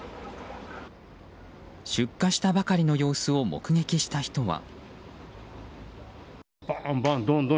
出火したばかりの様子を目撃した人は。